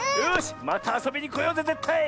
またあそびにこようぜぜったい！